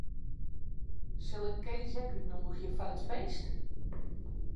Sil ik Kees ek útnûgje foar it feest?